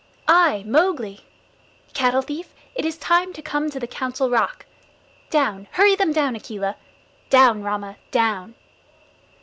"I, Mowgli. Cattle thief, it is time to come to the Council Rock! Down hurry them down, Akela! Down, Rama, down!"